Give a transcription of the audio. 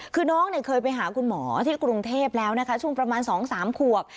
คือน้องเคยไปหาคุณหมอที่กรุงเทพแล้วนะคะช่วงประมาณ๒๓ขวบ